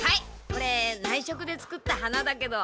これ内職で作った花だけど。